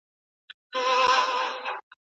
خو دا ته یوازي نه یې په دې غم کي